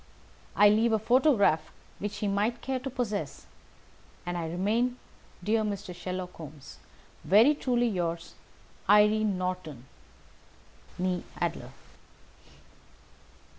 I leave a photograph which he might care to possess; and I remain, dear Mr. Sherlock Holmes, very truly yours, "Irene Norton, née Adler."